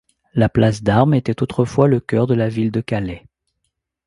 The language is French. La place d'Armes était autrefois le cœur de la ville de Calais.